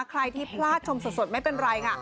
ใครที่พลาดชมสดไม่เป็นไรค่ะ